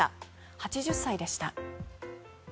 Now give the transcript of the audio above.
８０歳でした。